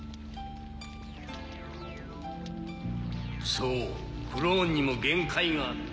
そうクローンにも限界があった。